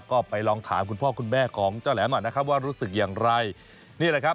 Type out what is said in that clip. ก็ไปลองถามคุณพ่อคุณแม่ของเจ้าแหลมหน่อยนะครับว่ารู้สึกอย่างไรนี่แหละครับ